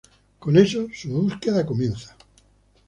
Con eso, su búsqueda comienza.